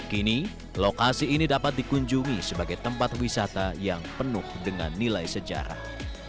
kini lokasi ini dapat dikunjungi sebagai tempat wisata yang penuh dengan nilai sejarah